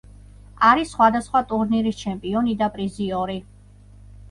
არის სხვადასხვა ტურნირის ჩემპიონი და პრიზიორი.